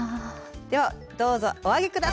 ではどうぞお上げ下さい。